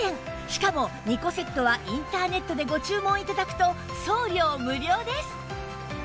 しかも２個セットはインターネットでご注文頂くと送料無料です